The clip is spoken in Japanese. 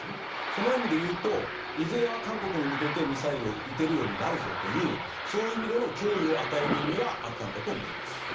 その意味で言うといずれは韓国に向けてミサイルを撃てるようになるぞというそういう意味での脅威を与える意味はあったんだと思います。